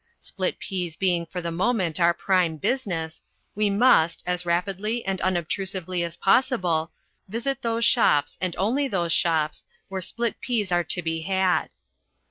Split peas being for the moment our prime business, we must, as rapidly and unobtrusively as possible, visit those shops and only those shops where split peas are to be had.